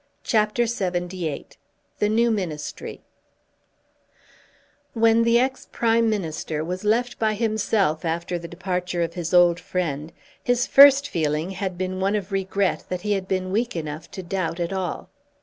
CHAPTER LXXVIII The New Ministry When the ex Prime Minister was left by himself after the departure of his old friend his first feeling had been one of regret that he had been weak enough to doubt at all.